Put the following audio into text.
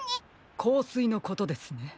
こうすいのことですね。